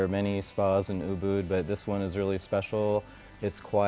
ada banyak spa di ubud tapi ini adalah yang sangat istimewa